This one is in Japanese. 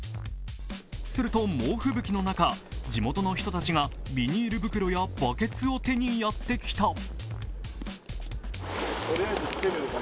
すると猛吹雪の中、地元の人たちがビニール袋やバケツを手にやってきた。